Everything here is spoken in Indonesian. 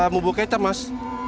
bumbu ketam mas